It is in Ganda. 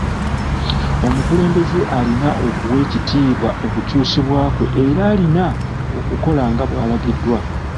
Omukulembeze alina okuwa ekitiibwa okukyusibwa kwe era alina okukola nga bw'alagiddwa.